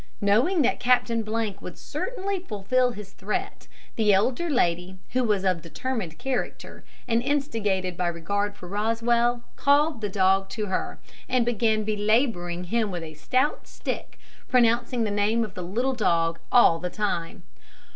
Knowing that Captain would certainly fulfil his threat, the elder lady, who was of determined character, and instigated by regard for Rosswell, called the dog to her, and began belabouring him with a stout stick, pronouncing the name of the little dog all the time.